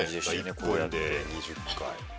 １分で２０回。